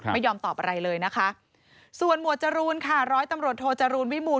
ไม่ยอมตอบอะไรเลยนะคะส่วนหมวดจรูนค่ะร้อยตำรวจโทจรูลวิมูล